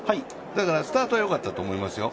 だからスタートはよかったと思いますよ。